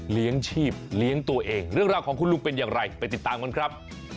เลี้ยงชีพเลี้ยงตัวเองเรื่องราวของคุณลุงเป็นอย่างไรไปติดตามกันครับ